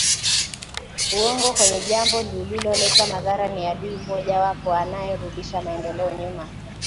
Uongo kwenye jambo lililoleta madhara ni adui mmoja wapo anayerudisha maendeleo nyuma